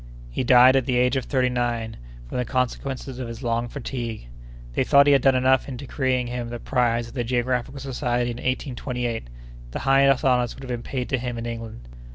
"He died at the age of thirty nine, from the consequences of his long fatigues. They thought they had done enough in decreeing him the prize of the Geographical Society in 1828; the highest honors would have been paid to him in England.